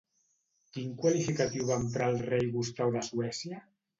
Quin qualificatiu va emprar el rei Gustau de Suècia?